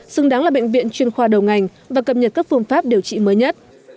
xứng đáng là bệnh viện chuyên khoa đầu ngành và cập nhật các phương pháp điều trị mới nhất